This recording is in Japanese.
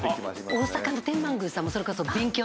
大阪の天満宮さんもそれこそ勉強の神様。